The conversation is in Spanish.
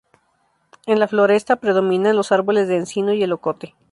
En la floresta, predominan los árboles de encino y el ocote.